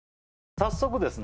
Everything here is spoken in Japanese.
早速ですね